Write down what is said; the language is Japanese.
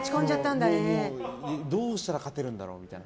どうしたら勝てるんだろうみたいな。